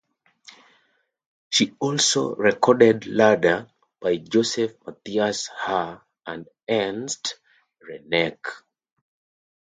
She also recorded lieder by Josef Matthias Hauer and Ernst Krenek.